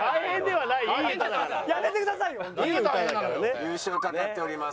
優勝懸かっております